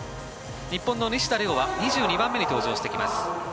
日本の西田玲雄は２２番目に登場してきます。